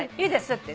「いいですよ」